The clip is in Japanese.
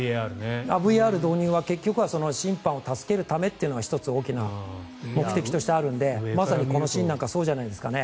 ＶＡＲ導入は結局は審判を助けるためというのが１つ、大きな目的としてあるのでまさにこのシーンなんかそうなんじゃないんですかね。